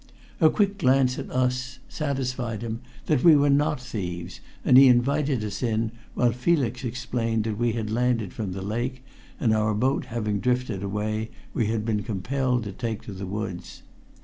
A quick glance at us satisfied him that we were not thieves, and he invited us in while Felix explained that we had landed from the lake, and our boat having drifted away we had been compelled to take to the woods.